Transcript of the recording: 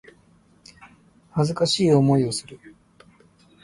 恥ずかしい思いをする